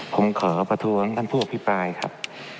ผมขอประท้วงท่านผู้อภิปรายครับ